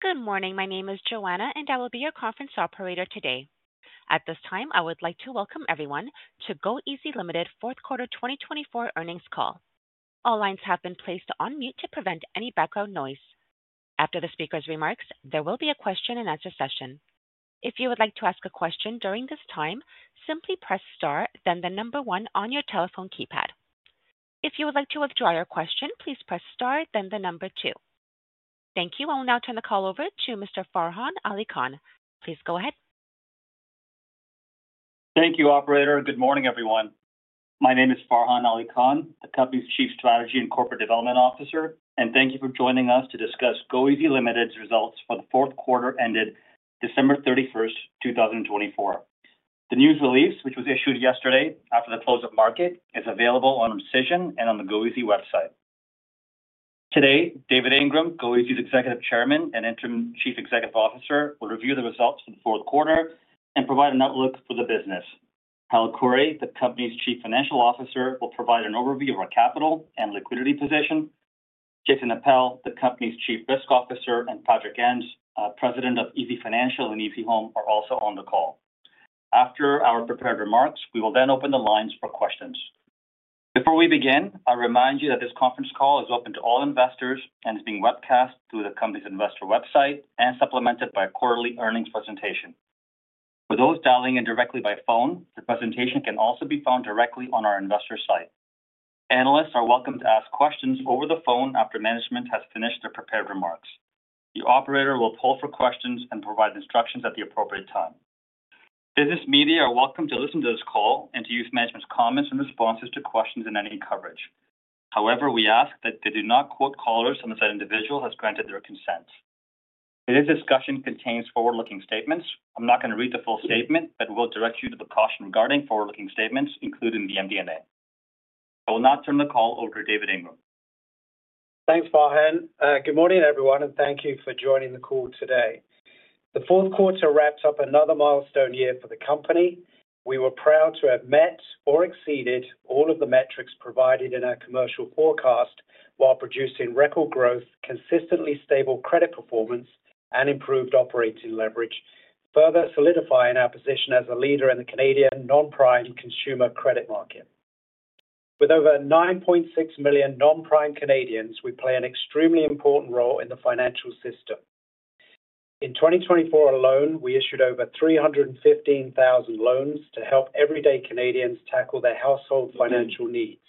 Good morning. My name is Joanna, and I will be your conference operator today. At this time, I would like to welcome everyone to goeasy Limited, Fourth Quarter 2024 Earnings Call. All lines have been placed on mute to prevent any background noise. After the speaker's remarks, there will be a question-and-answer session. If you would like to ask a question during this time, simply press star, then the number one on your telephone keypad. If you would like to withdraw your question, please press star, then the number two. Thank you. I will now turn the call over to Mr. Farhan Ali Khan. Please go ahead. Thank you, Operator. Good morning, everyone. My name is Farhan Ali Khan, the company's Chief Strategy and Corporate Development Officer, and thank you for joining us to discuss goeasy Limited's results for the fourth quarter ended December 31st, 2024. The news release, which was issued yesterday after the close of market, is available on Cision and on the goeasy website. Today, David Ingram, goeasy's Executive Chairman and Interim Chief Executive Officer, will review the results for the fourth quarter and provide an outlook for the business. Hal Khouri, the company's Chief Financial Officer, will provide an overview of our capital and liquidity position. Jason Appel, the company's Chief Risk Officer, and Patrick Ens, President of easyfinancial and easyhome, are also on the call. After our prepared remarks, we will then open the lines for questions. Before we begin, I remind you that this conference call is open to all investors and is being webcast through the company's investor website and supplemented by a quarterly earnings presentation. For those dialing in directly by phone, the presentation can also be found directly on our investor site. Analysts are welcome to ask questions over the phone after management has finished their prepared remarks. The Operator will poll for questions and provide instructions at the appropriate time. Business media are welcome to listen to this call and to use management's comments and responses to questions in any coverage. However, we ask that they do not quote callers unless that individual has granted their consent. This discussion contains forward-looking statements. I'm not going to read the full statement, but will direct you to the caution regarding forward-looking statements, including the MD&A. I will now turn the call over to David Ingram. Thanks, Farhan. Good morning, everyone, and thank you for joining the call today. The fourth quarter wraps up another milestone year for the company. We were proud to have met or exceeded all of the metrics provided in our commercial forecast while producing record growth, consistently stable credit performance, and improved operating leverage, further solidifying our position as a leader in the Canadian non-prime consumer credit market. With over 9.6 million non-prime Canadians, we play an extremely important role in the financial system. In 2024 alone, we issued over 315,000 loans to help everyday Canadians tackle their household financial needs.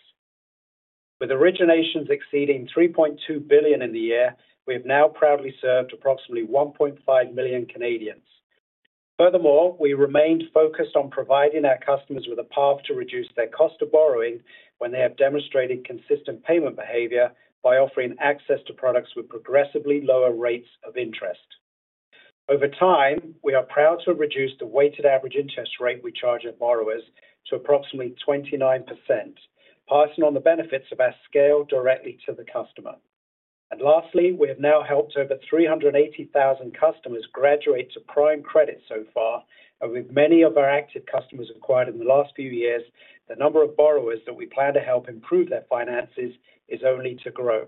With originations exceeding 3.2 billion in the year, we have now proudly served approximately 1.5 million Canadians. Furthermore, we remained focused on providing our customers with a path to reduce their cost of borrowing when they have demonstrated consistent payment behavior by offering access to products with progressively lower rates of interest. Over time, we are proud to have reduced the weighted average interest rate we charge to borrowers to approximately 29%, passing on the benefits of our scale directly to the customer. And lastly, we have now helped over 380,000 customers graduate to prime credit so far, and with many of our active customers acquired in the last few years, the number of borrowers that we plan to help improve their finances is only to grow.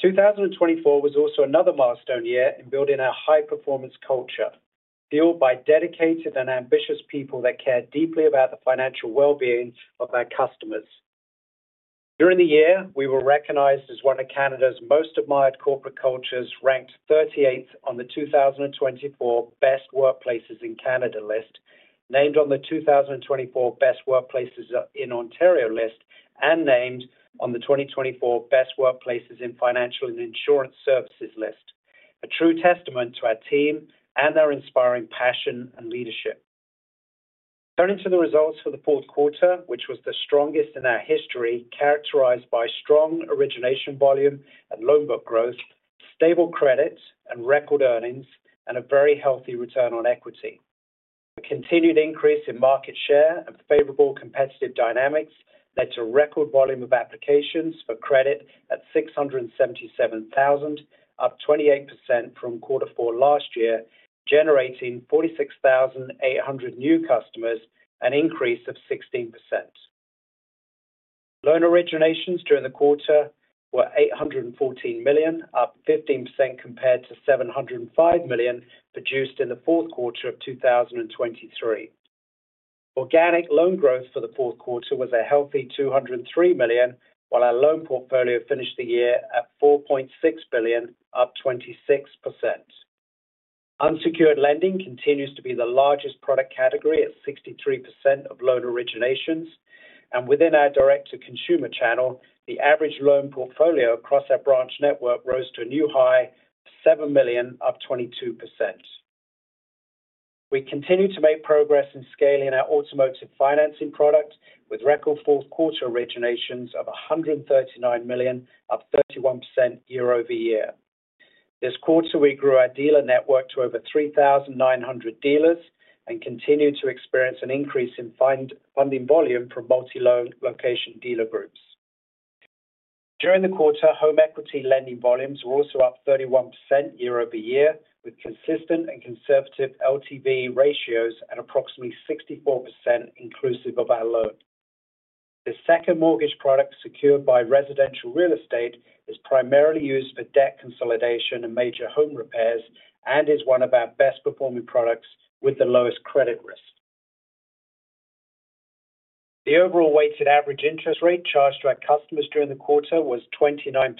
2024 was also another milestone year in building our high-performance culture, fueled by dedicated and ambitious people that care deeply about the financial well-being of our customers. During the year, we were recognized as one of Canada's Most Admired Corporate Cultures, ranked 38th on the 2024 Best Workplaces in Canada list, named on the 2024 Best Workplaces in Ontario list, and named on the 2024 Best Workplaces in Financial and Insurance Services list, a true testament to our team and our inspiring passion and leadership. Turning to the results for the fourth quarter, which was the strongest in our history, characterized by strong origination volume and loan book growth, stable credit and record earnings, and a very healthy return on equity. A continued increase in market share and favorable competitive dynamics led to record volume of applications for credit at 677,000, up 28% from quarter four last year, generating 46,800 new customers, an increase of 16%. Loan originations during the quarter were 814 million, up 15% compared to 705 million produced in the fourth quarter of 2023. Organic loan growth for the fourth quarter was a healthy 203 million, while our loan portfolio finished the year at 4.6 billion, up 26%. Unsecured lending continues to be the largest product category at 63% of loan originations, and within our direct-to-consumer channel, the average loan portfolio across our branch network rose to a new high of 7 million, up 22%. We continue to make progress in scaling our automotive financing product, with record fourth quarter originations of 139 million, up 31% year over year. This quarter, we grew our dealer network to over 3,900 dealers and continue to experience an increase in funding volume from multi-loan location dealer groups. During the quarter, home equity lending volumes were also up 31% year over year, with consistent and conservative LTV ratios at approximately 64% inclusive of our loan. The second mortgage product secured by residential real estate is primarily used for debt consolidation and major home repairs and is one of our best-performing products with the lowest credit risk. The overall weighted average interest rate charged to our customers during the quarter was 29%,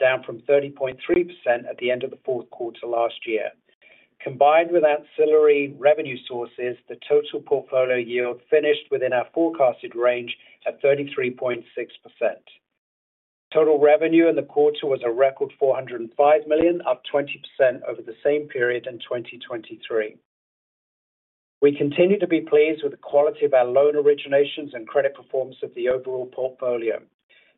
down from 30.3% at the end of the fourth quarter last year. Combined with ancillary revenue sources, the total portfolio yield finished within our forecasted range at 33.6%. Total revenue in the quarter was a record 405 million, up 20% over the same period in 2023. We continue to be pleased with the quality of our loan originations and credit performance of the overall portfolio.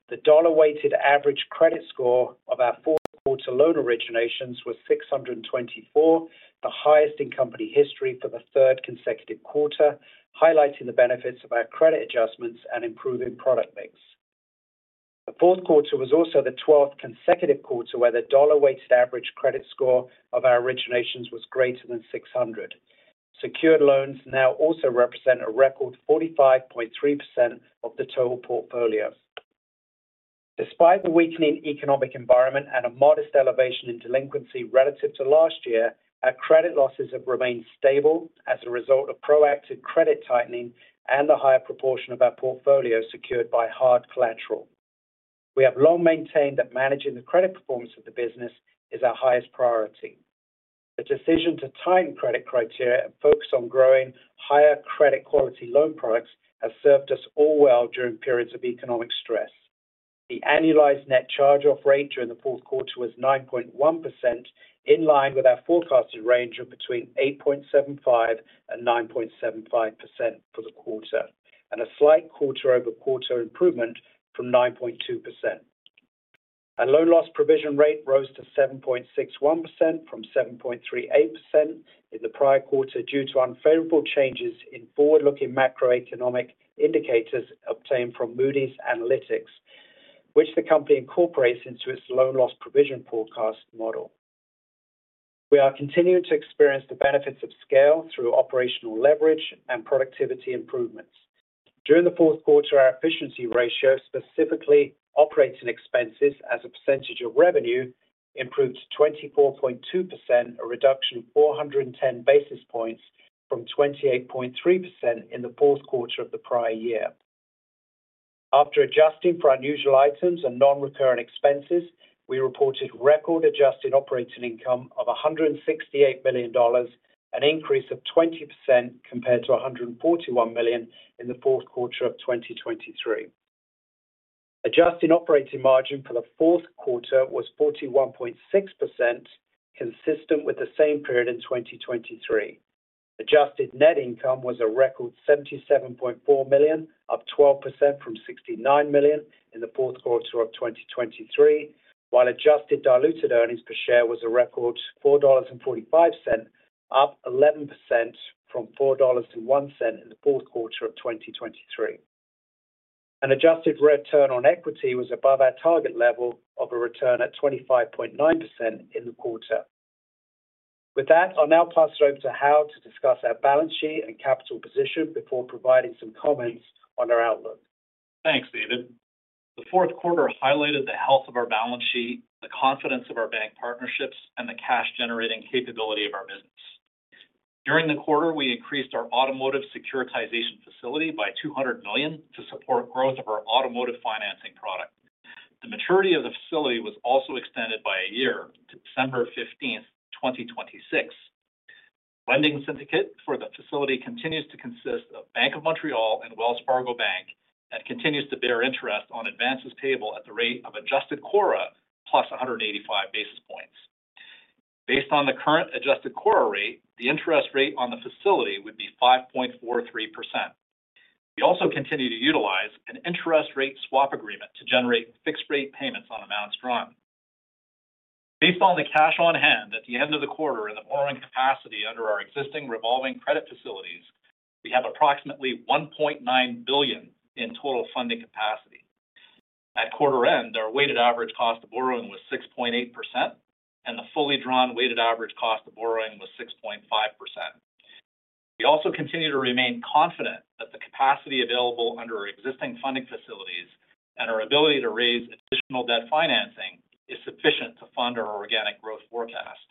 The dollar-weighted average credit score of our fourth quarter loan originations was 624, the highest in company history for the third consecutive quarter, highlighting the benefits of our credit adjustments and improving product mix. The fourth quarter was also the 12th consecutive quarter where the dollar-weighted average credit score of our originations was greater than 600. Secured loans now also represent a record 45.3% of the total portfolio. Despite the weakening economic environment and a modest elevation in delinquency relative to last year, our credit losses have remained stable as a result of proactive credit tightening and the higher proportion of our portfolio secured by hard collateral. We have long maintained that managing the credit performance of the business is our highest priority. The decision to tighten credit criteria and focus on growing higher credit quality loan products has served us all well during periods of economic stress. The annualized net charge-off rate during the fourth quarter was 9.1%, in line with our forecasted range of between 8.75% and 9.75% for the quarter, and a slight quarter-over-quarter improvement from 9.2%. Our loan loss provision rate rose to 7.61% from 7.38% in the prior quarter due to unfavorable changes in forward-looking macroeconomic indicators obtained from Moody's Analytics, which the company incorporates into its loan loss provision forecast model. We are continuing to experience the benefits of scale through operational leverage and productivity improvements. During the fourth quarter, our efficiency ratio, specifically operating expenses as a percentage of revenue, improved to 24.2%, a reduction of 410 basis points from 28.3% in the fourth quarter of the prior year. After adjusting for unusual items and non-recurring expenses, we reported record-adjusted operating income of 168 million dollars, an increase of 20% compared to 141 million in the fourth quarter of 2023. Adjusted operating margin for the fourth quarter was 41.6%, consistent with the same period in 2023. Adjusted net income was a record 77.4 million, up 12% from 69 million in the fourth quarter of 2023, while adjusted diluted earnings per share was a record 4.45 dollars, up 11% from 4.01 dollars in the fourth quarter of 2023. An adjusted return on equity was above our target level of a return at 25.9% in the quarter. With that, I'll now pass it over to Hal to discuss our balance sheet and capital position before providing some comments on our outlook. Thanks, David. The fourth quarter highlighted the health of our balance sheet, the confidence of our bank partnerships, and the cash-generating capability of our business. During the quarter, we increased our automotive securitization facility by 200 million to support growth of our automotive financing product. The maturity of the facility was also extended by a year to December 15th, 2026. The lending syndicate for the facility continues to consist of Bank of Montreal and Wells Fargo Bank and continues to bear interest on advances payable at the rate of adjusted CORRA plus 185 basis points. Based on the current adjusted CORRA rate, the interest rate on the facility would be 5.43%. We also continue to utilize an interest rate swap agreement to generate fixed-rate payments on amounts drawn. Based on the cash on hand at the end of the quarter and the borrowing capacity under our existing revolving credit facilities, we have approximately 1.9 billion in total funding capacity. At quarter end, our weighted average cost of borrowing was 6.8%, and the fully drawn weighted average cost of borrowing was 6.5%. We also continue to remain confident that the capacity available under our existing funding facilities and our ability to raise additional debt financing is sufficient to fund our organic growth forecast.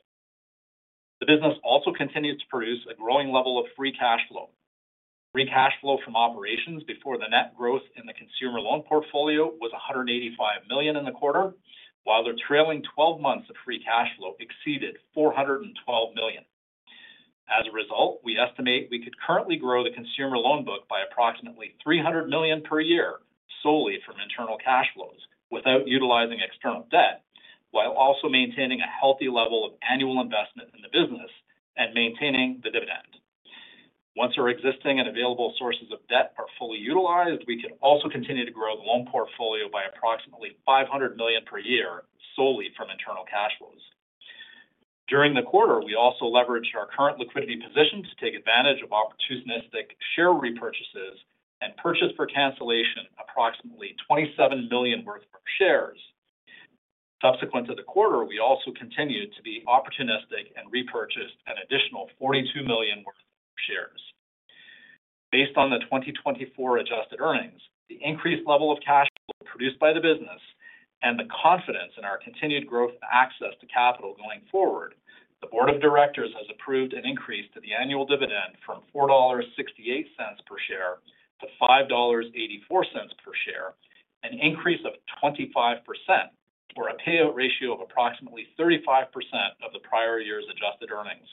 The business also continues to produce a growing level of free cash flow. Free cash flow from operations before the net growth in the consumer loan portfolio was 185 million in the quarter, while the trailing 12 months of free cash flow exceeded 412 million. As a result, we estimate we could currently grow the consumer loan book by approximately 300 million per year solely from internal cash flows without utilizing external debt, while also maintaining a healthy level of annual investment in the business and maintaining the dividend. Once our existing and available sources of debt are fully utilized, we can also continue to grow the loan portfolio by approximately 500 million per year solely from internal cash flows. During the quarter, we also leveraged our current liquidity position to take advantage of opportunistic share repurchases and purchase for cancellation approximately 27 million worth of shares. Subsequent to the quarter, we also continued to be opportunistic and repurchased an additional 42 million worth of shares. Based on the 2024 adjusted earnings, the increased level of cash flow produced by the business, and the confidence in our continued growth and access to capital going forward, the Board of Directors has approved an increase to the annual dividend from 4.68 dollars per share to 5.84 dollars per share, an increase of 25%, or a payout ratio of approximately 35% of the prior year's adjusted earnings.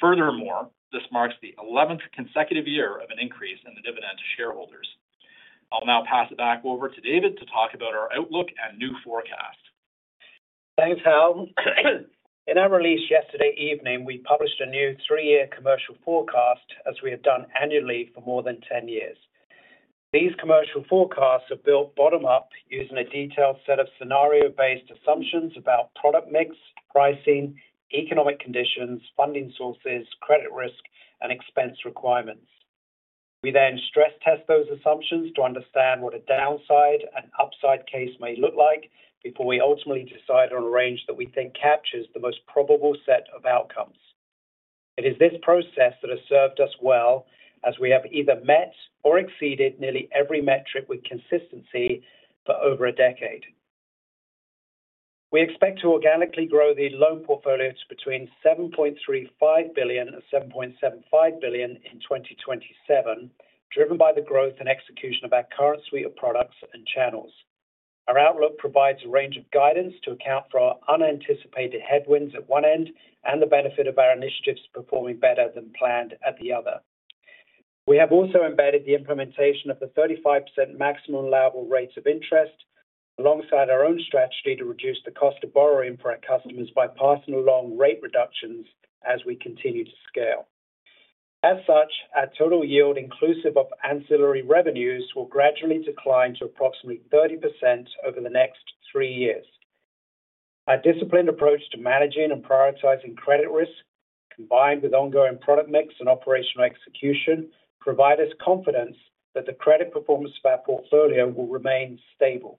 Furthermore, this marks the 11th consecutive year of an increase in the dividend to shareholders. I'll now pass it back over to David to talk about our outlook and new forecast. Thanks, Hal. In our release yesterday evening, we published a new three-year commercial forecast, as we have done annually for more than 10 years. These commercial forecasts are built bottom-up using a detailed set of scenario-based assumptions about product mix, pricing, economic conditions, funding sources, credit risk, and expense requirements. We then stress-test those assumptions to understand what a downside and upside case may look like before we ultimately decide on a range that we think captures the most probable set of outcomes. It is this process that has served us well, as we have either met or exceeded nearly every metric with consistency for over a decade. We expect to organically grow the loan portfolio to between 7.35 billion and 7.75 billion in 2027, driven by the growth and execution of our current suite of products and channels. Our outlook provides a range of guidance to account for our unanticipated headwinds at one end and the benefit of our initiatives performing better than planned at the other. We have also embedded the implementation of the 35% maximum allowable rates of interest, alongside our own strategy to reduce the cost of borrowing for our customers by passing along rate reductions as we continue to scale. As such, our total yield, inclusive of ancillary revenues, will gradually decline to approximately 30% over the next three years. Our disciplined approach to managing and prioritizing credit risk, combined with ongoing product mix and operational execution, provides us confidence that the credit performance of our portfolio will remain stable.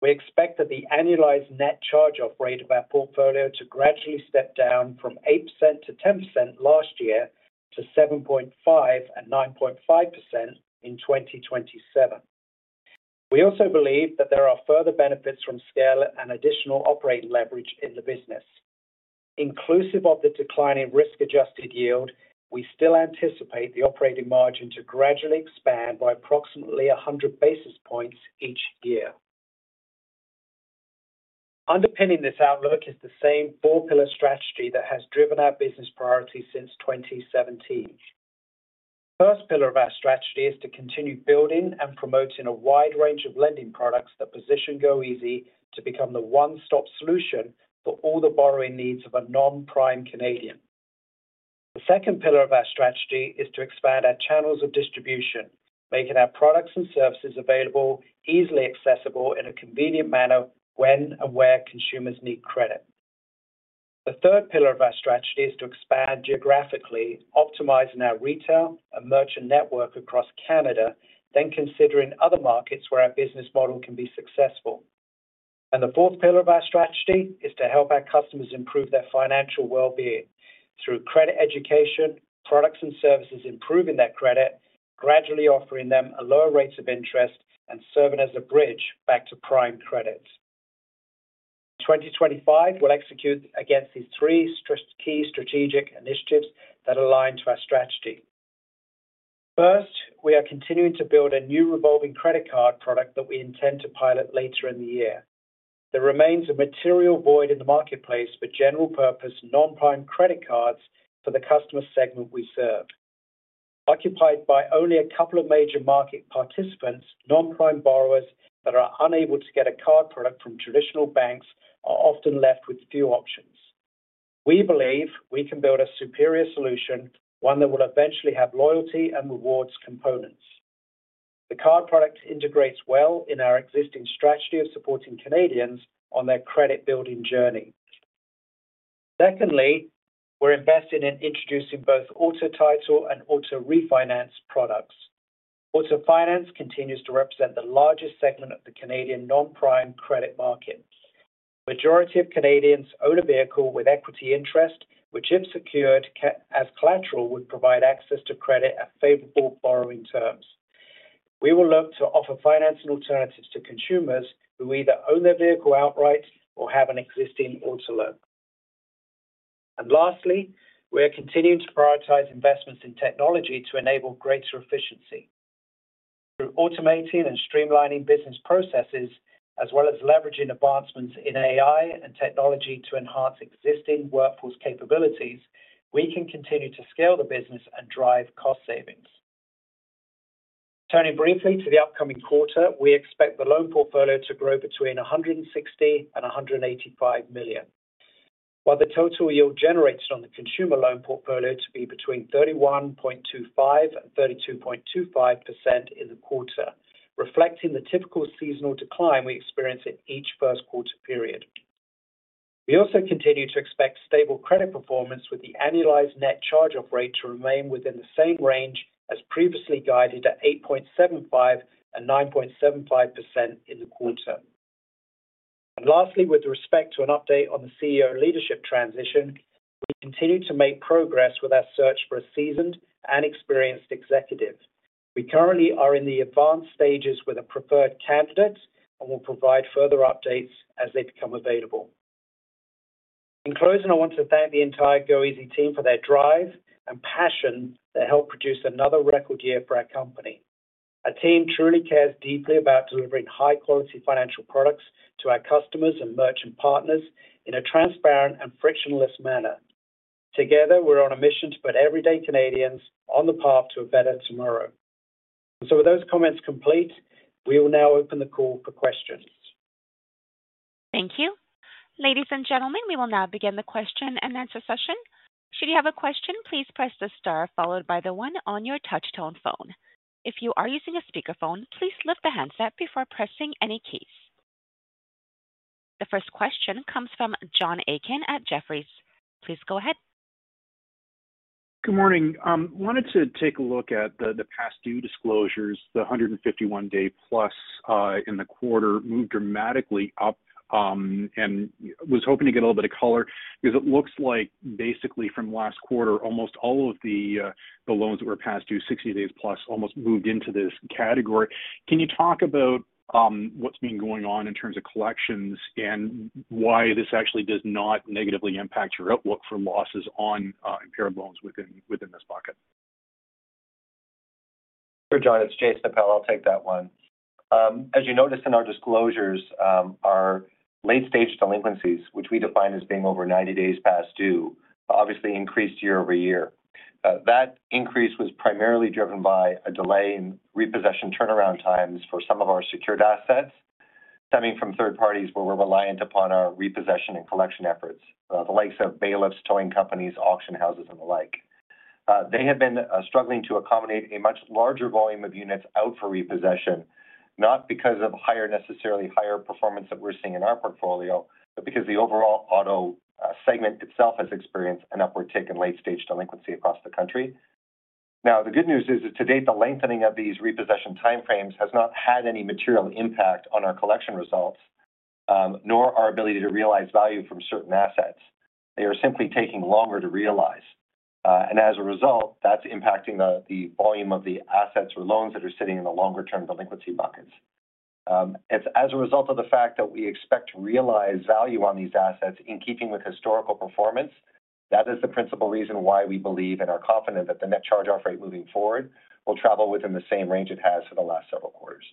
We expect that the annualized net charge-off rate of our portfolio to gradually step down from 8%-10% last year to 7.5%-9.5% in 2027. We also believe that there are further benefits from scale and additional operating leverage in the business. Inclusive of the declining risk-adjusted yield, we still anticipate the operating margin to gradually expand by approximately 100 basis points each year. Underpinning this outlook is the same four-pillar strategy that has driven our business priorities since 2017. The first pillar of our strategy is to continue building and promoting a wide range of lending products that position goeasy to become the one-stop solution for all the borrowing needs of a non-prime Canadian. The second pillar of our strategy is to expand our channels of distribution, making our products and services available, easily accessible in a convenient manner when and where consumers need credit. The third pillar of our strategy is to expand geographically, optimizing our retail and merchant network across Canada, then considering other markets where our business model can be successful. The fourth pillar of our strategy is to help our customers improve their financial well-being through credit education, products and services improving their credit, gradually offering them a lower rate of interest, and serving as a bridge back to prime credit. 2025 will execute against these three key strategic initiatives that align to our strategy. First, we are continuing to build a new revolving credit card product that we intend to pilot later in the year. There remains a material void in the marketplace for general-purpose non-prime credit cards for the customer segment we serve. Occupied by only a couple of major market participants, non-prime borrowers that are unable to get a card product from traditional banks are often left with few options. We believe we can build a superior solution, one that will eventually have loyalty and rewards components. The card product integrates well in our existing strategy of supporting Canadians on their credit-building journey. Secondly, we're investing in introducing both auto title and auto refinance products. Auto finance continues to represent the largest segment of the Canadian non-prime credit market. The majority of Canadians own a vehicle with equity interest, which, if secured as collateral, would provide access to credit at favorable borrowing terms. We will look to offer financing alternatives to consumers who either own their vehicle outright or have an existing auto loan, and lastly, we are continuing to prioritize investments in technology to enable greater efficiency. Through automating and streamlining business processes, as well as leveraging advancements in AI and technology to enhance existing workforce capabilities, we can continue to scale the business and drive cost savings. Turning briefly to the upcoming quarter, we expect the loan portfolio to grow between 160 million and 185 million, while the total yield generated on the consumer loan portfolio to be between 31.25% and 32.25% in the quarter, reflecting the typical seasonal decline we experience in each first quarter period. We also continue to expect stable credit performance, with the annualized net charge-off rate to remain within the same range as previously guided at 8.75% and 9.75% in the quarter. And lastly, with respect to an update on the CEO leadership transition, we continue to make progress with our search for a seasoned and experienced executive. We currently are in the advanced stages with a preferred candidate and will provide further updates as they become available. In closing, I want to thank the entire goeasy team for their drive and passion that helped produce another record year for our company. Our team truly cares deeply about delivering high-quality financial products to our customers and merchant partners in a transparent and frictionless manner. Together, we're on a mission to put everyday Canadians on the path to a better tomorrow. And so, with those comments complete, we will now open the call for questions. Thank you. Ladies and gentlemen, we will now begin the question and answer session. Should you have a question, please press the star followed by the one on your touch-tone phone. If you are using a speakerphone, please lift the handset before pressing any keys. The first question comes from John Aiken at Jefferies. Please go ahead. Good morning. I wanted to take a look at the past due disclosures. The 151-day plus in the quarter moved dramatically up, and I was hoping to get a little bit of color because it looks like, basically, from last quarter, almost all of the loans that were past due, 60 days plus, almost moved into this category. Can you talk about what's been going on in terms of collections and why this actually does not negatively impact your outlook for losses on impaired loans within this bucket? Sure, John. It's Jason Appel. I'll take that one. As you noticed in our disclosures, our late-stage delinquencies, which we define as being over 90 days past due, obviously increased year over year. That increase was primarily driven by a delay in repossession turnaround times for some of our secured assets stemming from third parties where we're reliant upon our repossession and collection efforts, the likes of bailiffs, towing companies, auction houses, and the like. They have been struggling to accommodate a much larger volume of units out for repossession, not because of necessarily higher performance that we're seeing in our portfolio, but because the overall auto segment itself has experienced an upward tick in late-stage delinquency across the country. Now, the good news is that to date, the lengthening of these repossession timeframes has not had any material impact on our collection results, nor our ability to realize value from certain assets. They are simply taking longer to realize, and as a result, that's impacting the volume of the assets or loans that are sitting in the longer-term delinquency buckets. It's as a result of the fact that we expect to realize value on these assets in keeping with historical performance. That is the principal reason why we believe and are confident that the net charge-off rate moving forward will travel within the same range it has for the last several quarters.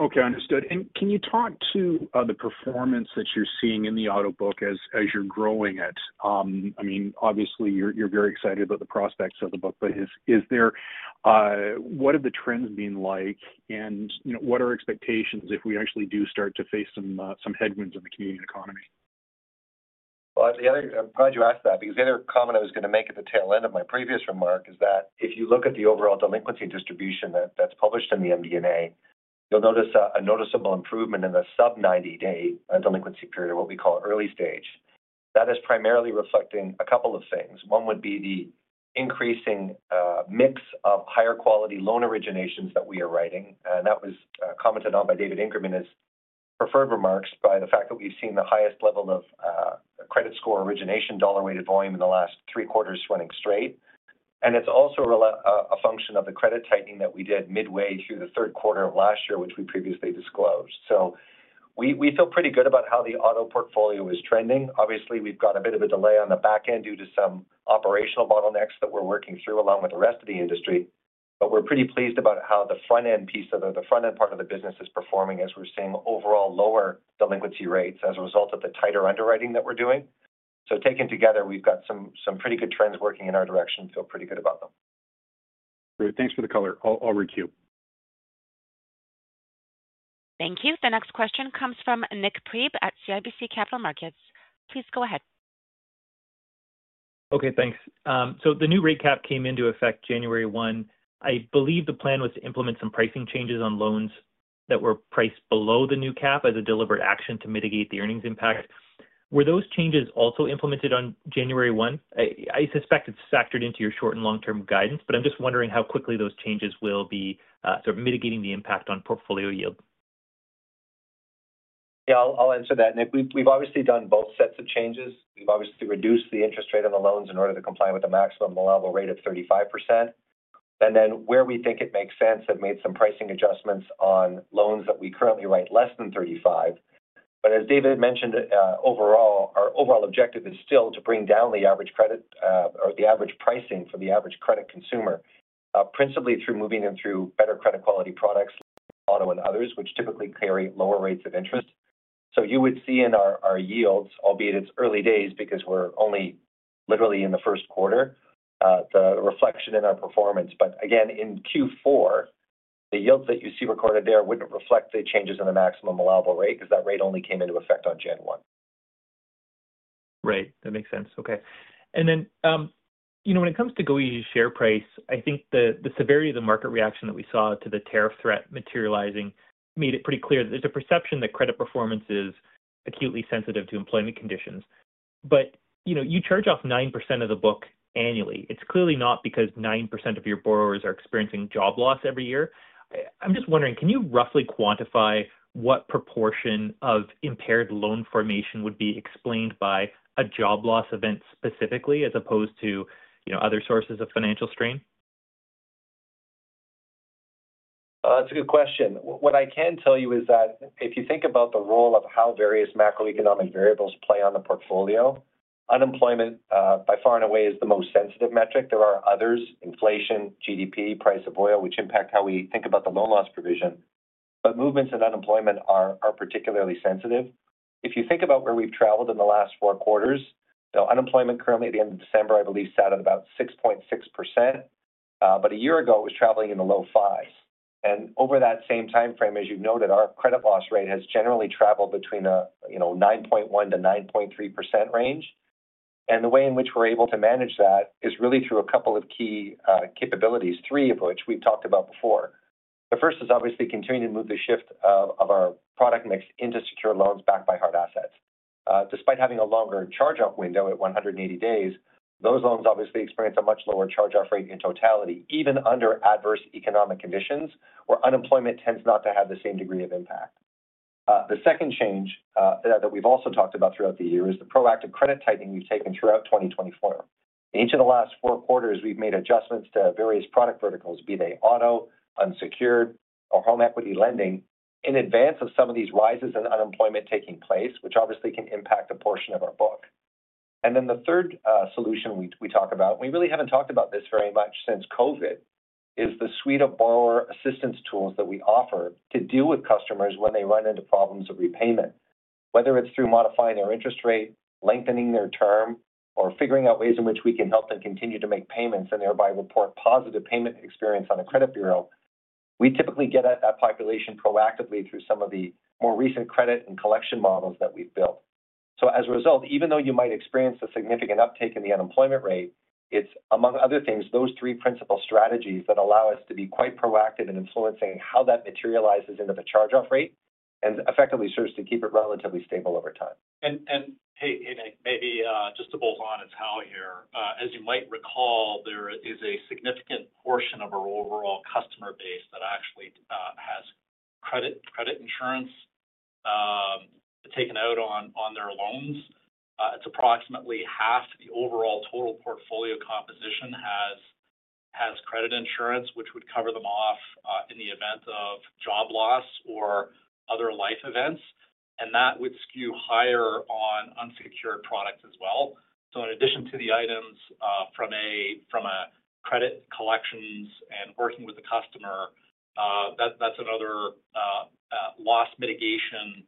Okay, understood. And can you talk to the performance that you're seeing in the auto book as you're growing it? I mean, obviously, you're very excited about the prospects of the book, but what have the trends been like, and what are expectations if we actually do start to face some headwinds in the Canadian economy? I'm proud you asked that because the other comment I was going to make at the tail end of my previous remark is that if you look at the overall delinquency distribution that's published in the MD&A, you'll notice a noticeable improvement in the sub-90-day delinquency period, what we call early-stage. That is primarily reflecting a couple of things. One would be the increasing mix of higher-quality loan originations that we are writing. That was commented on by David Ingram in his prepared remarks by the fact that we've seen the highest level of credit score origination, dollar-weighted volume in the last three quarters running straight. It's also a function of the credit tightening that we did midway through the third quarter of last year, which we previously disclosed. We feel pretty good about how the auto portfolio is trending. Obviously, we've got a bit of a delay on the back end due to some operational bottlenecks that we're working through along with the rest of the industry. But we're pretty pleased about how the front-end piece, the front-end part of the business is performing, as we're seeing overall lower delinquency rates as a result of the tighter underwriting that we're doing. So taken together, we've got some pretty good trends working in our direction. I feel pretty good about them. Great. Thanks for the color. I'll requeue. Thank you. The next question comes from Nik Priebe at CIBC Capital Markets. Please go ahead. Okay, thanks. So the new rate cap came into effect January 1. I believe the plan was to implement some pricing changes on loans that were priced below the new cap as a deliberate action to mitigate the earnings impact. Were those changes also implemented on January 1? I suspect it's factored into your short and long-term guidance, but I'm just wondering how quickly those changes will be sort of mitigating the impact on portfolio yield. Yeah, I'll answer that, Nik. We've obviously done both sets of changes. We've obviously reduced the interest rate on the loans in order to comply with a maximum allowable rate of 35%. And then where we think it makes sense, have made some pricing adjustments on loans that we currently write less than 35%. But as David mentioned, overall, our overall objective is still to bring down the average credit or the average pricing for the average credit consumer, principally through moving them through better credit-quality products like auto and others, which typically carry lower rates of interest. So you would see in our yields, albeit it's early days because we're only literally in the first quarter, the reflection in our performance. But again, in Q4, the yields that you see recorded there wouldn't reflect the changes in the maximum allowable rate because that rate only came into effect on January 1. Right. That makes sense. Okay. And then when it comes to goeasy's share price, I think the severity of the market reaction that we saw to the tariff threat materializing made it pretty clear that there's a perception that credit performance is acutely sensitive to employment conditions. But you charge off 9% of the book annually. It's clearly not because 9% of your borrowers are experiencing job loss every year. I'm just wondering, can you roughly quantify what proportion of impaired loan formation would be explained by a job loss event specifically as opposed to other sources of financial strain? That's a good question. What I can tell you is that if you think about the role of how various macroeconomic variables play on the portfolio, unemployment by far and away is the most sensitive metric. There are others: inflation, GDP, price of oil, which impact how we think about the loan loss provision. But movements in unemployment are particularly sensitive. If you think about where we've traveled in the last four quarters, unemployment currently at the end of December, I believe, sat at about 6.6%. But a year ago, it was traveling in the low fives. And over that same timeframe, as you've noted, our credit loss rate has generally traveled between a 9.1%-9.3% range. And the way in which we're able to manage that is really through a couple of key capabilities, three of which we've talked about before. The first is obviously continuing to move the shift of our product mix into secured loans backed by hard assets. Despite having a longer charge-off window at 180 days, those loans obviously experience a much lower charge-off rate in totality, even under adverse economic conditions where unemployment tends not to have the same degree of impact. The second change that we've also talked about throughout the year is the proactive credit tightening we've taken throughout 2024. In each of the last four quarters, we've made adjustments to various product verticals, be they auto, unsecured, or home equity lending, in advance of some of these rises in unemployment taking place, which obviously can impact a portion of our book. And then the third solution we talk about, and we really haven't talked about this very much since COVID, is the suite of borrower assistance tools that we offer to deal with customers when they run into problems of repayment. Whether it's through modifying their interest rate, lengthening their term, or figuring out ways in which we can help them continue to make payments and thereby report positive payment experience on a credit bureau, we typically get at that population proactively through some of the more recent credit and collection models that we've built. So as a result, even though you might experience a significant uptick in the unemployment rate, it's, among other things, those three principal strategies that allow us to be quite proactive in influencing how that materializes into the charge-off rate and effectively serves to keep it relatively stable over time. And hey, Nik, maybe just to bolt on, it's Hal here. As you might recall, there is a significant portion of our overall customer base that actually has credit insurance taken out on their loans. It's approximately half the overall total portfolio composition has credit insurance, which would cover them off in the event of job loss or other life events. And that would skew higher on unsecured products as well. So in addition to the items from a credit collections and working with the customer, that's another loss mitigation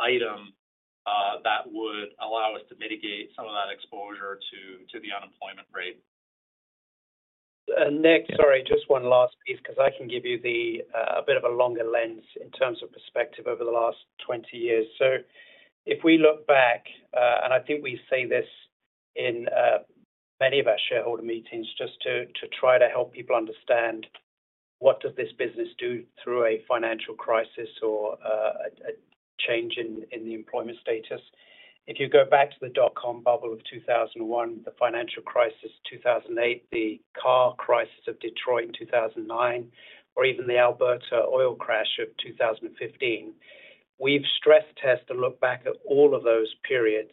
item that would allow us to mitigate some of that exposure to the unemployment rate. Nik, sorry, just one last piece because I can give you a bit of a longer lens in terms of perspective over the last 20 years. If we look back, and I think we say this in many of our shareholder meetings just to try to help people understand what does this business do through a financial crisis or a change in the employment status. If you go back to the dot-com bubble of 2001, the financial crisis of 2008, the car crisis of Detroit in 2009, or even the Alberta oil crash of 2015, we've stress-tested and looked back at all of those periods.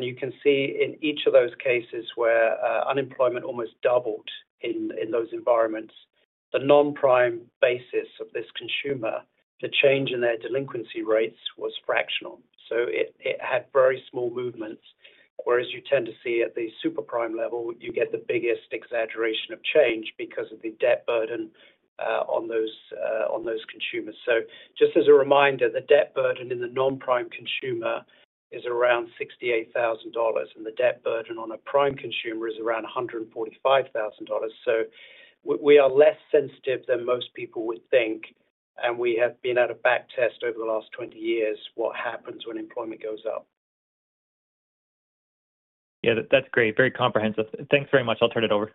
You can see in each of those cases where unemployment almost doubled in those environments, the non-prime basis of this consumer, the change in their delinquency rates was fractional. It had very small movements. Whereas you tend to see at the super-prime level, you get the biggest exaggeration of change because of the debt burden on those consumers. So just as a reminder, the debt burden in the non-prime consumer is around 68,000 dollars, and the debt burden on a prime consumer is around 145,000 dollars. So we are less sensitive than most people would think, and we have been able to backtest over the last 20 years what happens when employment goes up. Yeah, that's great. Very comprehensive. Thanks very much. I'll turn it over.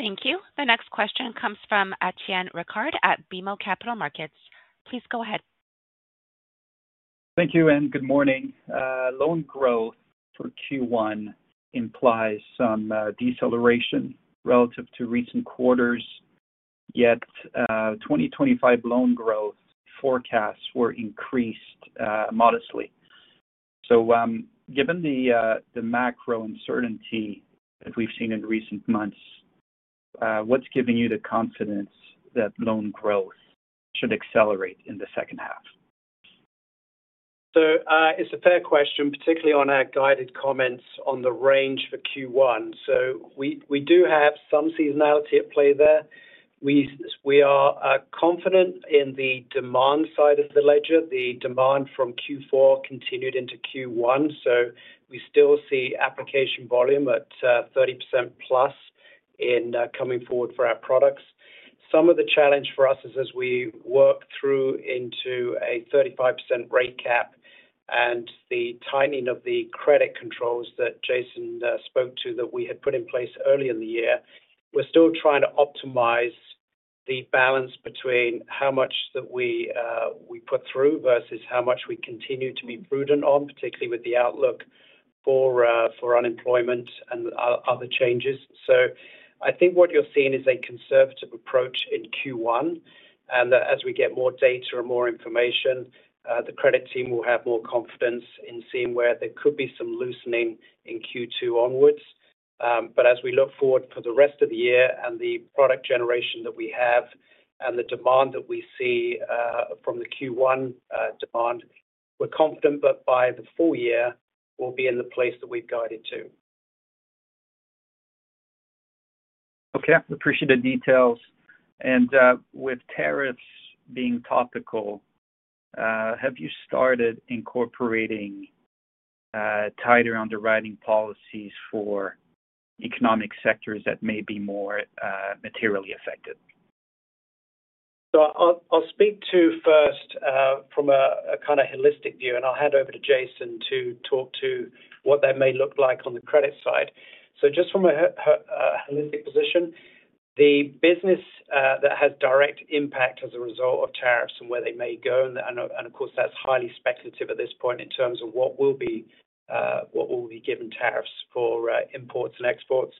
Thank you. The next question comes from Étienne Ricard at BMO Capital Markets. Please go ahead. Thank you, and good morning. Loan growth for Q1 implies some deceleration relative to recent quarters, yet 2025 loan growth forecasts were increased modestly. So, given the macro uncertainty that we've seen in recent months, what's giving you the confidence that loan growth should accelerate in the second half? So it's a fair question, particularly on our guided comments on the range for Q1. So we do have some seasonality at play there. We are confident in the demand side of the ledger. The demand from Q4 continued into Q1. So we still see application volume at 30% plus in coming forward for our products. Some of the challenge for us is as we work through into a 35% rate cap and the tightening of the credit controls that Jason spoke to that we had put in place earlier in the year, we're still trying to optimize the balance between how much that we put through versus how much we continue to be prudent on, particularly with the outlook for unemployment and other changes. So I think what you're seeing is a conservative approach in Q1. And as we get more data and more information, the credit team will have more confidence in seeing where there could be some loosening in Q2 onwards. But as we look forward for the rest of the year and the product generation that we have and the demand that we see from the Q1 demand, we're confident that by the full year, we'll be in the place that we've guided to. Okay. Appreciate the details. And with tariffs being topical, have you started incorporating tighter underwriting policies for economic sectors that may be more materially affected? I'll speak to first from a kind of holistic view, and I'll hand over to Jason to talk to what that may look like on the credit side. Just from a holistic position, the business that has direct impact as a result of tariffs and where they may go, and of course, that's highly speculative at this point in terms of what will be given tariffs for imports and exports.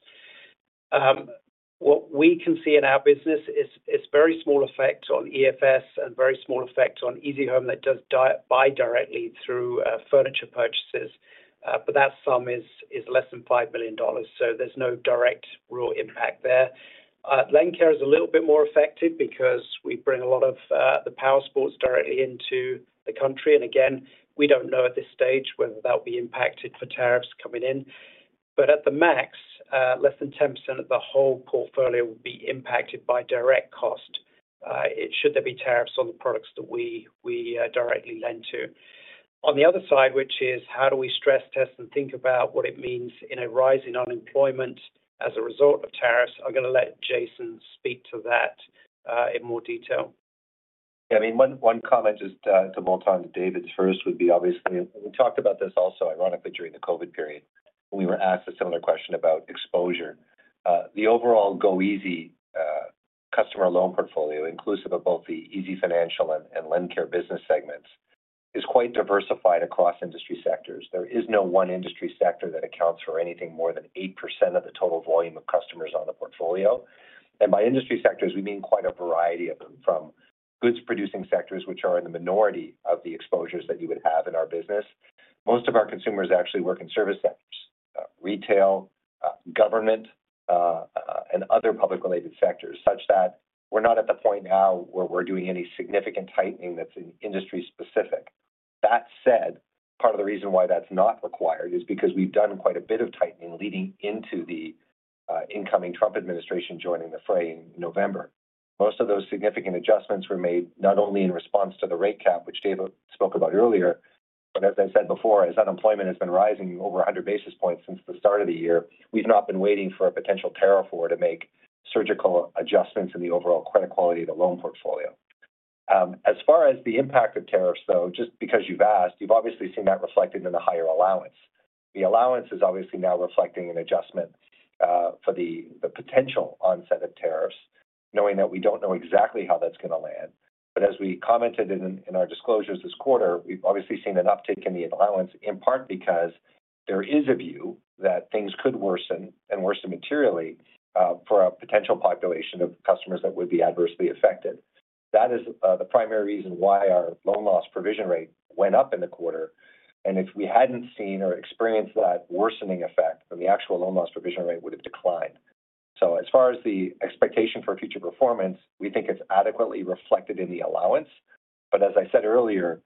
What we can see in our business is very small effect on EFS and very small effect on easyhome that does buy directly through furniture purchases. But that sum is less than 5 million dollars. There's no direct real impact there. LendCare is a little bit more affected because we bring a lot of the powersports directly into the country. Again, we don't know at this stage whether that will be impacted for tariffs coming in. At the max, less than 10% of the whole portfolio will be impacted by direct cost should there be tariffs on the products that we directly lend to. On the other side, which is how do we stress-test and think about what it means in a rising unemployment as a result of tariffs, I'm going to let Jason speak to that in more detail. Yeah, I mean, one comment just to bolt on to David's first would be obviously, and we talked about this also ironically during the COVID period when we were asked a similar question about exposure. The overall goeasy customer loan portfolio, inclusive of both the easyfinancial and LendCare business segments, is quite diversified across industry sectors. There is no one industry sector that accounts for anything more than 8% of the total volume of customers on the portfolio. And by industry sectors, we mean quite a variety of them from goods-producing sectors, which are in the minority of the exposures that you would have in our business. Most of our consumers actually work in service sectors, retail, government, and other public-related sectors such that we're not at the point now where we're doing any significant tightening that's industry-specific. That said, part of the reason why that's not required is because we've done quite a bit of tightening leading into the incoming Trump administration joining the fray in November. Most of those significant adjustments were made not only in response to the rate cap, which David spoke about earlier, but as I said before, as unemployment has been rising over 100 basis points since the start of the year, we've not been waiting for a potential tariff war to make surgical adjustments in the overall credit quality of the loan portfolio. As far as the impact of tariffs, though, just because you've asked, you've obviously seen that reflected in the higher allowance. The allowance is obviously now reflecting an adjustment for the potential onset of tariffs, knowing that we don't know exactly how that's going to land. But as we commented in our disclosures this quarter, we've obviously seen an uptick in the allowance, in part because there is a view that things could worsen and worsen materially for a potential population of customers that would be adversely affected. That is the primary reason why our loan loss provision rate went up in the quarter. And if we hadn't seen or experienced that worsening effect, then the actual loan loss provision rate would have declined. So as far as the expectation for future performance, we think it's adequately reflected in the allowance. But as I said earlier,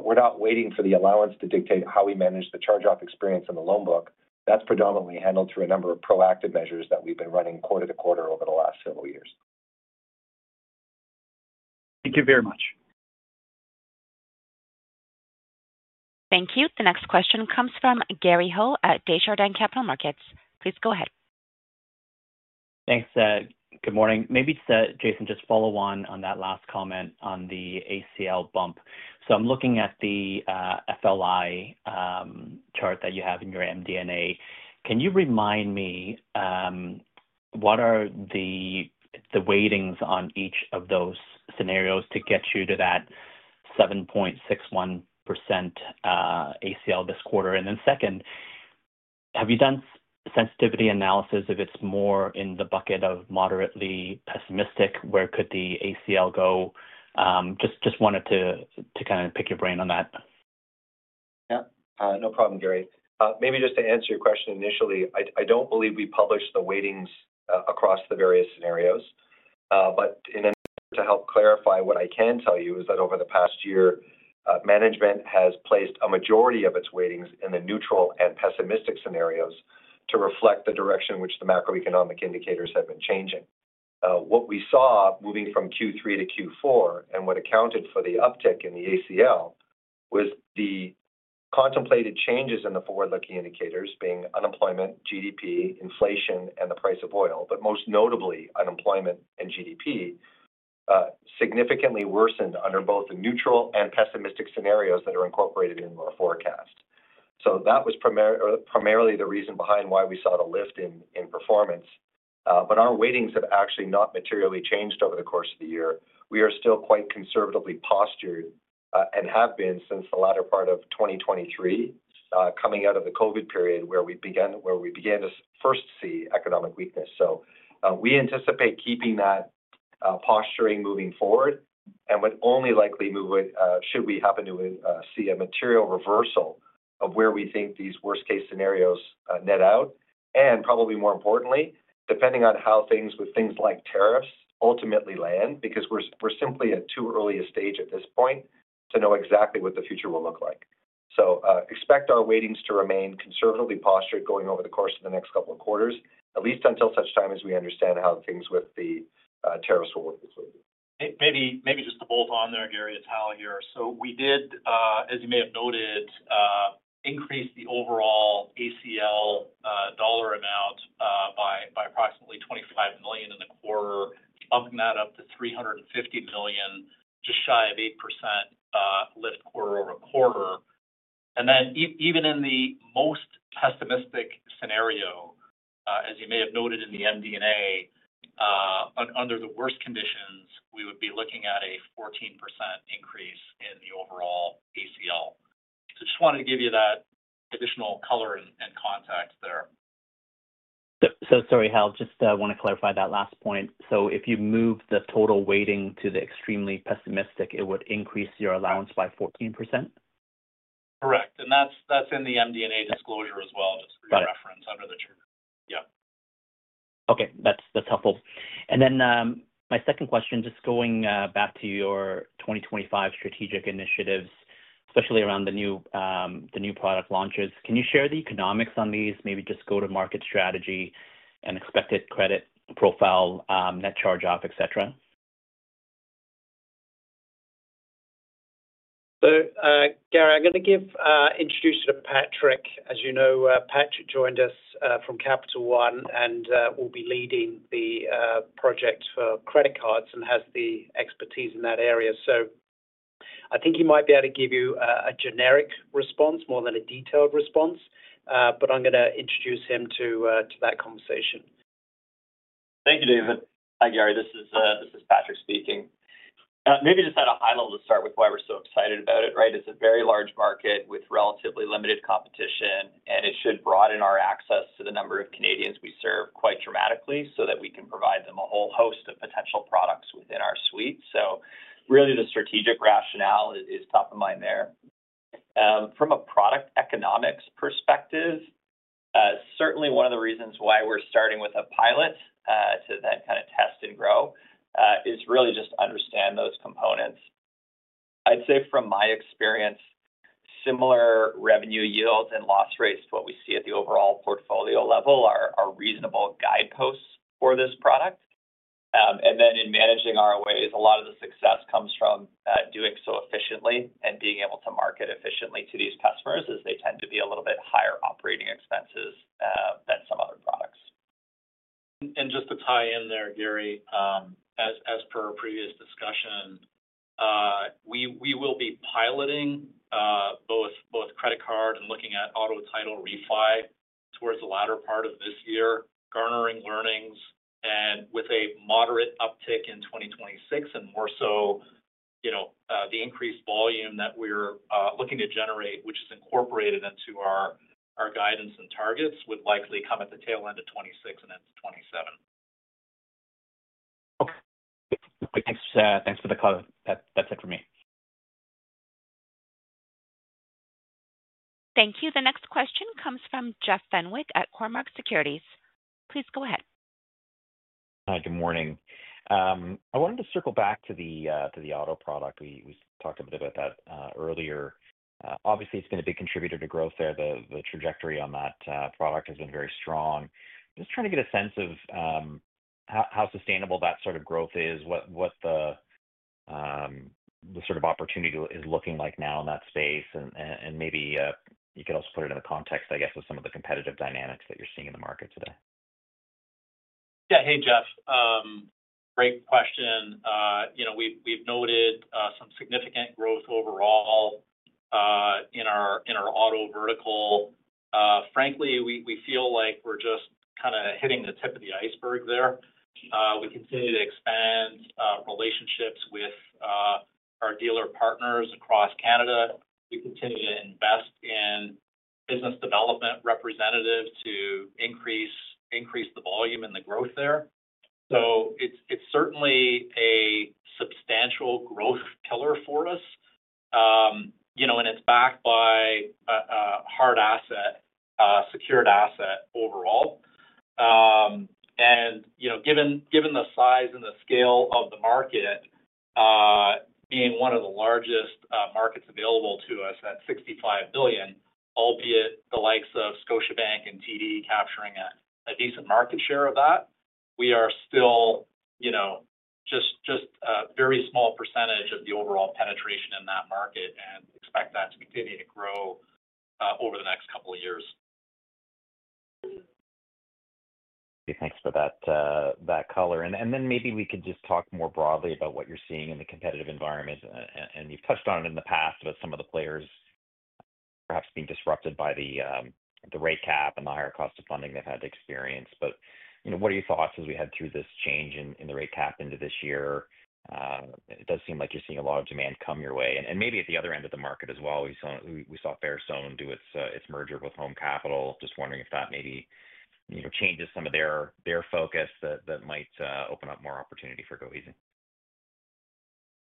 we're not waiting for the allowance to dictate how we manage the charge-off experience in the loan book. That's predominantly handled through a number of proactive measures that we've been running quarter to quarter over the last several years. Thank you very much. Thank you. The next question comes from Gary Ho at Desjardins Capital Markets. Please go ahead. Thanks. Good morning. Maybe Jason, just follow up on that last comment on the ACL bump. So I'm looking at the FLI chart that you have in your MD&A. Can you remind me what are the weightings on each of those scenarios to get you to that 7.61% ACL this quarter? And then second, have you done sensitivity analysis if it's more in the bucket of moderately pessimistic? Where could the ACL go? Just wanted to kind of pick your brain on that. Yeah. No problem, Gary. Maybe just to answer your question initially, I don't believe we published the weightings across the various scenarios. But in an effort to help clarify, what I can tell you is that over the past year, management has placed a majority of its weightings in the neutral and pessimistic scenarios to reflect the direction in which the macroeconomic indicators have been changing. What we saw moving from Q3 to Q4 and what accounted for the uptick in the ACL was the contemplated changes in the forward-looking indicators being unemployment, GDP, inflation, and the price of oil, but most notably unemployment and GDP significantly worsened under both the neutral and pessimistic scenarios that are incorporated in our forecast. So that was primarily the reason behind why we saw the lift in performance. But our weightings have actually not materially changed over the course of the year. We are still quite conservatively postured and have been since the latter part of 2023, coming out of the COVID period where we began to first see economic weakness. So we anticipate keeping that posturing moving forward and would only likely move should we happen to see a material reversal of where we think these worst-case scenarios net out. And probably more importantly, depending on how things like tariffs ultimately land, because we're simply at too early a stage at this point to know exactly what the future will look like. So expect our weightings to remain conservatively postured going over the course of the next couple of quarters, at least until such time as we understand how things with the tariffs will work. Maybe just to bolt on there, Gary, it's Hal here. So we did, as you may have noted, increase the overall ACL dollar amount by approximately 25 million in the quarter, bumping that up to 350 million, just shy of 8% lift quarter over quarter. And then even in the most pessimistic scenario, as you may have noted in the MD&A, under the worst conditions, we would be looking at a 14% increase in the overall ACL. So just wanted to give you that additional color and context there. So sorry, Hal, just want to clarify that last point. So if you move the total weighting to the extremely pessimistic, it would increase your allowance by 14%? Correct, and that's in the MD&A disclosure as well, just for your reference under the terms. Yeah. Okay. That's helpful. And then my second question, just going back to your 2025 strategic initiatives, especially around the new product launches, can you share the economics on these, maybe just go-to market strategy and expected credit profile, net charge-off, etc.? So Gary, I'm going to introduce you to Patrick. As you know, Patrick joined us from Capital One and will be leading the project for credit cards and has the expertise in that area. So I think he might be able to give you a generic response more than a detailed response, but I'm going to introduce him to that conversation. Thank you, David. Hi, Gary. This is Patrick speaking. Maybe just at a high level to start with why we're so excited about it, right? It's a very large market with relatively limited competition, and it should broaden our access to the number of Canadians we serve quite dramatically so that we can provide them a whole host of potential products within our suite. So really, the strategic rationale is top of mind there. From a product economics perspective, certainly one of the reasons why we're starting with a pilot to then kind of test and grow is really just to understand those components. I'd say from my experience, similar revenue yields and loss rates to what we see at the overall portfolio level are reasonable guideposts for this product. In managing our loans, a lot of the success comes from doing so efficiently and being able to market efficiently to these customers as they tend to be a little bit higher operating expenses than some other products. And just to tie in there, Gary, as per our previous discussion, we will be piloting both credit card and looking at auto title refi towards the latter part of this year, garnering learnings. And with a moderate uptick in 2026 and more so, the increased volume that we're looking to generate, which is incorporated into our guidance and targets, would likely come at the tail end of 2026 and into 2027. Okay. Thanks for the call. That's it for me. Thank you. The next question comes from Jeff Fenwick at Cormark Securities. Please go ahead. Hi, good morning. I wanted to circle back to the auto product. We talked a bit about that earlier. Obviously, it's been a big contributor to growth there. The trajectory on that product has been very strong. Just trying to get a sense of how sustainable that sort of growth is, what the sort of opportunity is looking like now in that space, and maybe you could also put it in the context, I guess, of some of the competitive dynamics that you're seeing in the market today. Yeah. Hey, Jeff. Great question. We've noted some significant growth overall in our auto vertical. Frankly, we feel like we're just kind of hitting the tip of the iceberg there. We continue to expand relationships with our dealer partners across Canada. We continue to invest in business development representatives to increase the volume and the growth there. So it's certainly a substantial growth pillar for us, and it's backed by hard asset, secured asset overall. And given the size and the scale of the market, being one of the largest markets available to us at 65 billion, albeit the likes of Scotiabank and TD capturing a decent market share of that, we are still just a very small percentage of the overall penetration in that market and expect that to continue to grow over the next couple of years. Thanks for that color. And then maybe we could just talk more broadly about what you're seeing in the competitive environment. And you've touched on it in the past, but some of the players perhaps being disrupted by the rate cap and the higher cost of funding they've had to experience. But what are your thoughts as we head through this change in the rate cap into this year? It does seem like you're seeing a lot of demand come your way. And maybe at the other end of the market as well, we saw Fairstone do its merger with Home Capital. Just wondering if that maybe changes some of their focus that might open up more opportunity for goeasy.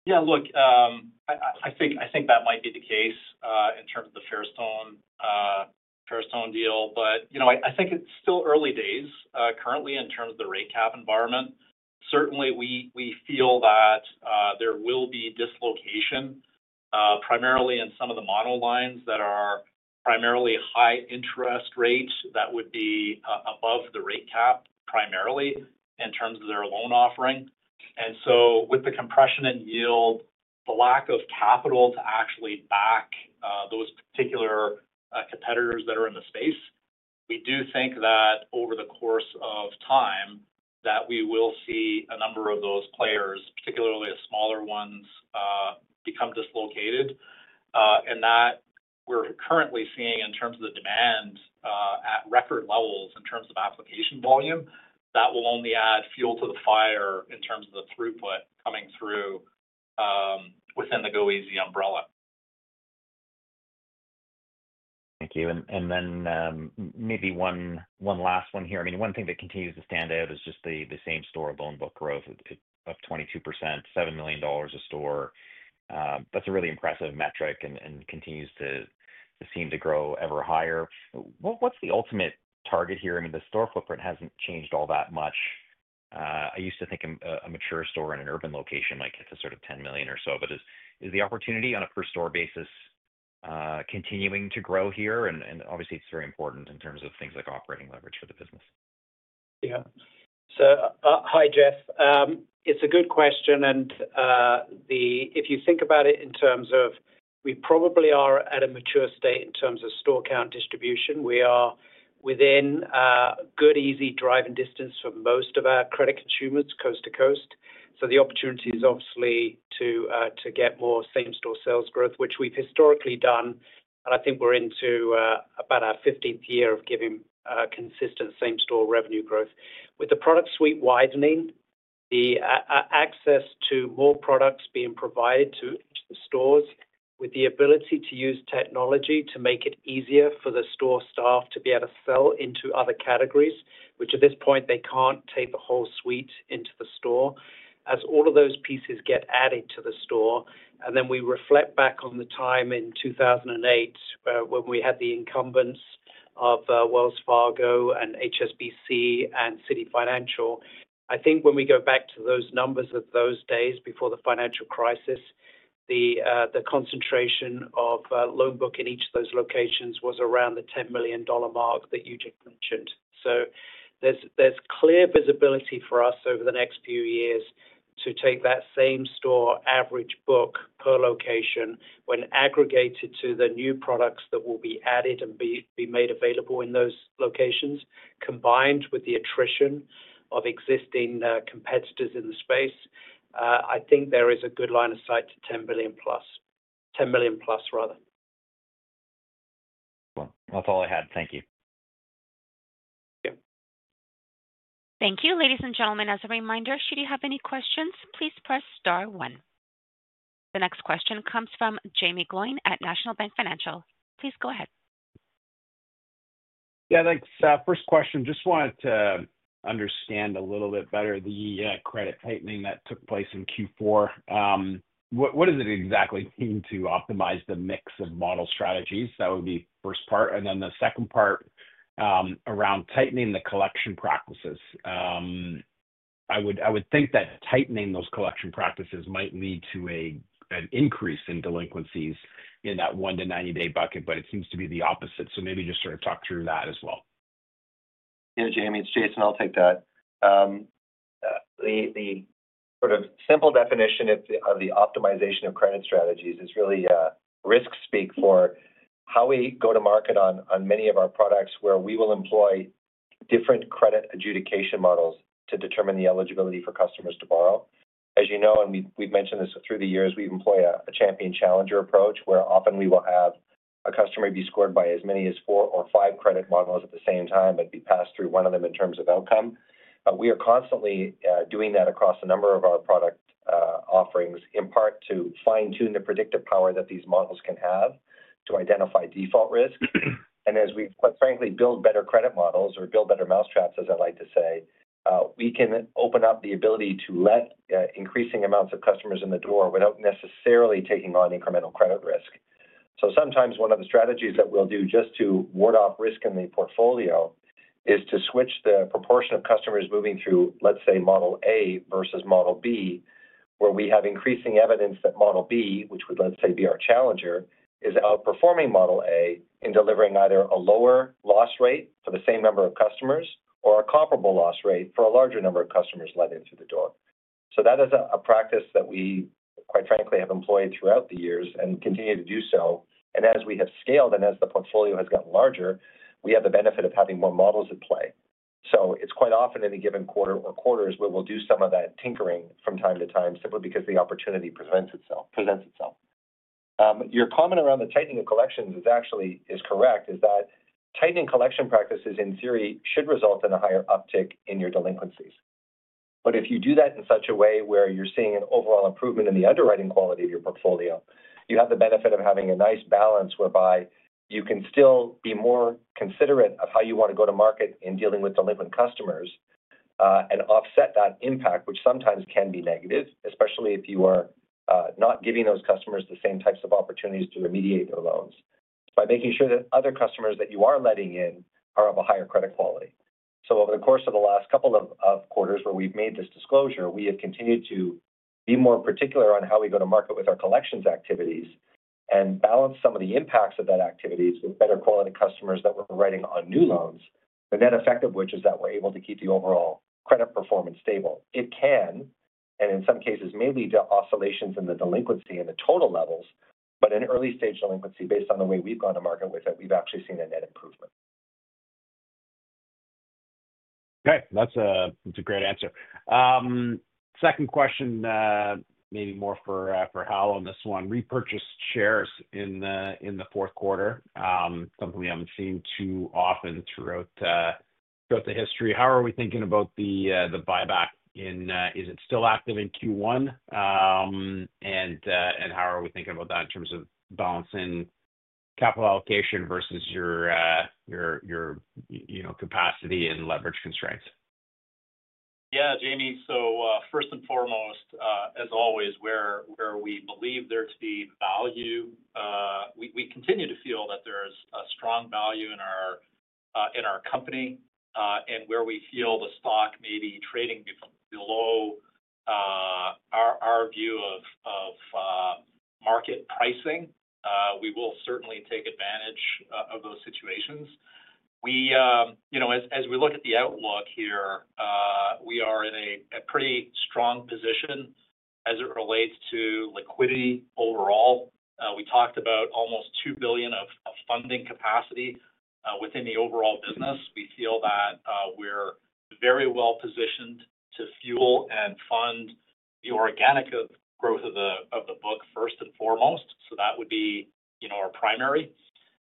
Yeah. Look, I think that might be the case in terms of the Fairstone deal, but I think it's still early days currently in terms of the rate cap environment. Certainly, we feel that there will be dislocation primarily in some of the monolines that are primarily high interest rates that would be above the rate cap primarily in terms of their loan offering, and so with the compression in yield, the lack of capital to actually back those particular competitors that are in the space, we do think that over the course of time that we will see a number of those players, particularly the smaller ones, become dislocated, and that we're currently seeing in terms of the demand at record levels in terms of application volume, that will only add fuel to the fire in terms of the throughput coming through within the goeasy umbrella. Thank you. And then maybe one last one here. I mean, one thing that continues to stand out is just the same-store loan book growth of 22%, 7 million dollars a store. That's a really impressive metric and continues to seem to grow ever higher. What's the ultimate target here? I mean, the store footprint hasn't changed all that much. I used to think a mature store in an urban location might get to sort of 10 million or so. But is the opportunity on a per-store basis continuing to grow here? And obviously, it's very important in terms of things like operating leverage for the business. Yeah. So hi, Jeff. It's a good question. And if you think about it in terms of we probably are at a mature state in terms of store count distribution. We are within good, easy driving distance for most of our credit consumers coast to coast. So the opportunity is obviously to get more same-store sales growth, which we've historically done. And I think we're into about our 15th year of giving consistent same-store revenue growth. With the product suite widening, the access to more products being provided to the stores with the ability to use technology to make it easier for the store staff to be able to sell into other categories, which at this point, they can't take the whole suite into the store. As all of those pieces get added to the store, and then we reflect back on the time in 2008 when we had the incumbents of Wells Fargo and HSBC and CitiFinancial, I think when we go back to those numbers of those days before the financial crisis, the concentration of loan book in each of those locations was around the 10 million dollar mark that you just mentioned. So there's clear visibility for us over the next few years to take that same-store average book per location when aggregated to the new products that will be added and be made available in those locations, combined with the attrition of existing competitors in the space. I think there is a good line of sight to 10 billion plus, 10 million plus, rather. Excellent. That's all I had. Thank you. Thank you. Thank you. Ladies and gentlemen, as a reminder, should you have any questions, please press star one. The next question comes from Jaeme Gloyn at National Bank Financial. Please go ahead. Yeah. Thanks. First question, just wanted to understand a little bit better the credit tightening that took place in Q4. What does it exactly mean to optimize the mix of model strategies? That would be the first part. And then the second part around tightening the collection practices. I would think that tightening those collection practices might lead to an increase in delinquencies in that 1 to 90-day bucket, but it seems to be the opposite. So maybe just sort of talk through that as well. Yeah, Jaeme. It's Jason. I'll take that. The sort of simple definition of the optimization of credit strategies is really risk speak for how we go to market on many of our products where we will employ different credit adjudication models to determine the eligibility for customers to borrow. As you know, and we've mentioned this through the years, we employ a champion challenger approach where often we will have a customer be scored by as many as four or five credit models at the same time and be passed through one of them in terms of outcome. But we are constantly doing that across a number of our product offerings, in part to fine-tune the predictive power that these models can have to identify default risk. And as we quite frankly build better credit models or build better mousetraps, as I like to say, we can open up the ability to let increasing amounts of customers in the door without necessarily taking on incremental credit risk. So sometimes one of the strategies that we'll do just to ward off risk in the portfolio is to switch the proportion of customers moving through, let's say, model A versus model B, where we have increasing evidence that model B, which would, let's say, be our challenger, is outperforming model A in delivering either a lower loss rate for the same number of customers or a comparable loss rate for a larger number of customers led in through the door. So that is a practice that we, quite frankly, have employed throughout the years and continue to do so. And as we have scaled and as the portfolio has gotten larger, we have the benefit of having more models at play. So it's quite often in a given quarter or quarters where we'll do some of that tinkering from time to time simply because the opportunity presents itself. Your comment around the tightening of collections is actually correct, that tightening collection practices, in theory, should result in a higher uptick in your delinquencies. If you do that in such a way where you're seeing an overall improvement in the underwriting quality of your portfolio, you have the benefit of having a nice balance whereby you can still be more considerate of how you want to go to market in dealing with delinquent customers and offset that impact, which sometimes can be negative, especially if you are not giving those customers the same types of opportunities to remediate their loans by making sure that other customers that you are letting in are of a higher credit quality. So over the course of the last couple of quarters where we've made this disclosure, we have continued to be more particular on how we go to market with our collections activities and balance some of the impacts of that activities with better quality customers that we're writing on new loans, the net effect of which is that we're able to keep the overall credit performance stable. It can, and in some cases, may lead to oscillations in the delinquency and the total levels, but in early-stage delinquency, based on the way we've gone to market with it, we've actually seen a net improvement. Okay. That's a great answer. Second question, maybe more for Hal on this one. Repurchased shares in the fourth quarter, something we haven't seen too often throughout the history. How are we thinking about the buyback? Is it still active in Q1? And how are we thinking about that in terms of balancing capital allocation versus your capacity and leverage constraints? Yeah, Jaeme, so first and foremost, as always, where we believe there to be value, we continue to feel that there is a strong value in our company and where we feel the stock may be trading below our view of market pricing, we will certainly take advantage of those situations. As we look at the outlook here, we are in a pretty strong position as it relates to liquidity overall. We talked about almost 2 billion of funding capacity within the overall business. We feel that we're very well positioned to fuel and fund the organic growth of the book, first and foremost, so that would be our primary.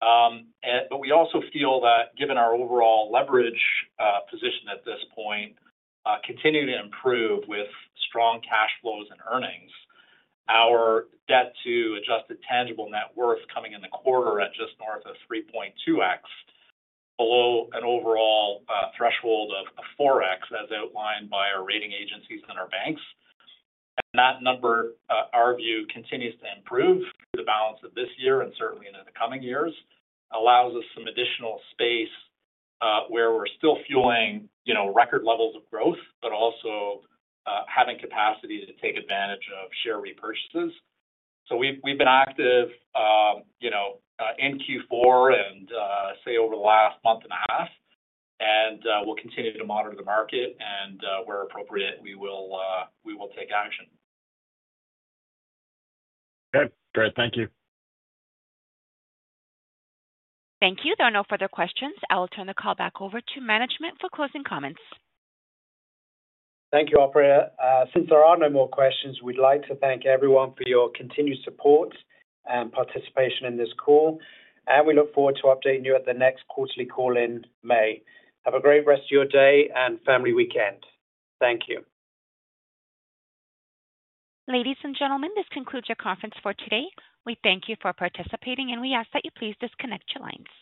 But we also feel that, given our overall leverage position at this point, continuing to improve with strong cash flows and earnings, our Debt to Adjusted Tangible Net Worth coming in the quarter at just north of 3.2x, below an overall threshold of 4x as outlined by our rating agencies and our banks, and that number, our view, continues to improve through the balance of this year and certainly in the coming years, allows us some additional space where we're still fueling record levels of growth, but also having capacity to take advantage of share repurchases, so we've been active in Q4 and, say, over the last month and a half, and we'll continue to monitor the market, and where appropriate, we will take action. Okay. Great. Thank you. Thank you. There are no further questions. I'll turn the call back over to management for closing comments. Thank you, Operator. Since there are no more questions, we'd like to thank everyone for your continued support and participation in this call. And we look forward to updating you at the next quarterly call in May. Have a great rest of your day and Family Weekend. Thank you. Ladies and gentlemen, this concludes your conference for today. We thank you for participating, and we ask that you please disconnect your lines.